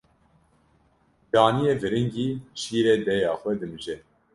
Caniyê viringî şîrê dêya xwe dimije.